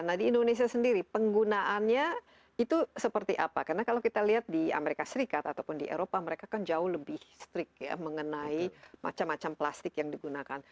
nah di indonesia sendiri penggunaannya itu seperti apa karena kalau kita lihat di amerika serikat ataupun di eropa mereka kan jauh lebih strict ya mengenai macam macam plastik yang digunakan